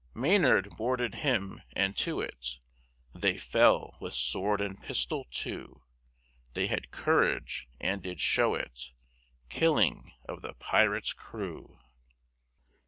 Maynard boarded him, and to it They fell with Sword and Pistol too; They had Courage, and did show it, Killing of the Pirate's Crew.